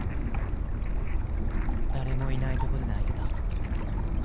誰もいない所で泣いてた。